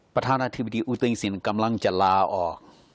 ประธานาธิบดีอูติซินกำลังจะลาออก